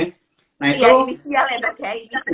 iya inisial ya dok ya